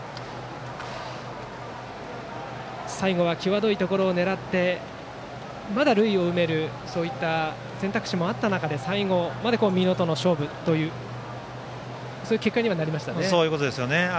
最後は際どいところを狙って、まだ塁を埋めるそういった選択肢もあった中で最後まで、美濃との勝負という結果にはなりましたね。